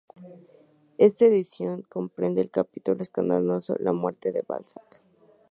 Esta edición comprende el capítulo escandaloso de "La Muerte de Balzac".